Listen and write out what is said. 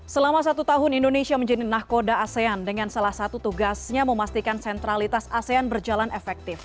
selama satu tahun indonesia menjadi nahkoda asean dengan salah satu tugasnya memastikan sentralitas asean berjalan efektif